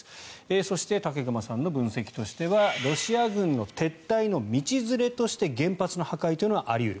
そして、武隈さんの分析としてはロシア軍の撤退の道連れとして原発の破壊というのはあり得る。